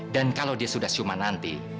dan kalau dia sudah siuman nanti